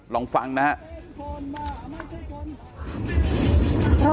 ลองฟังนะครับ